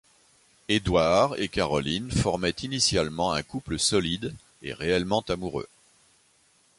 Edward et Caroline formaient initialement un couple solide, et réellement amoureux.